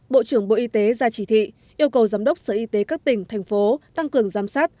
bộ trưởng bộ y tế ra chỉ thị yêu cầu giám đốc sở y tế các tỉnh thành phố tăng cường giám sát